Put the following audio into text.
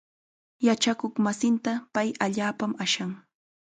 Yachakuqmasinta pay allaapam ashan.